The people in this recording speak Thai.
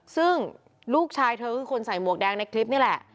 ซึ่งลูกชายเธอคือคนใส่หมวกแดงในคลิปนี่แหละ